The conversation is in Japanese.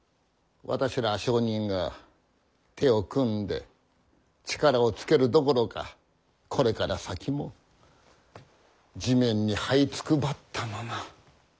私ら商人が手を組んで力をつけるどころかこれから先も地面にはいつくばったまま。